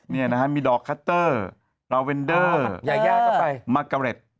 นี่นะฮะมีดอกคัตเตอร์ลาเวนเดอร์ยายาก็ไปมากะเร็ด